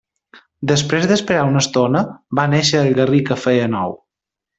Després d'esperar una estona, va néixer el garrí que feia nou.